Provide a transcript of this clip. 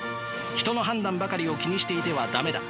人の判断ばかりを気にしていては駄目だ。